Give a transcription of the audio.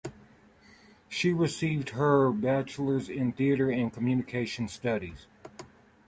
She received her Bachelor in Theatre and Communication studies.